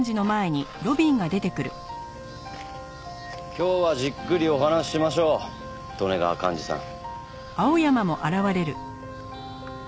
今日はじっくりお話しましょう利根川寛二さん。